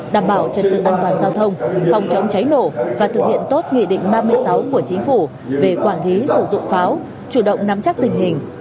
đảm bảo trật tự an toàn giao thông phòng chống cháy nổ và thực hiện tốt nghị định ba mươi sáu của chính phủ về quản lý sử dụng pháo chủ động nắm chắc tình hình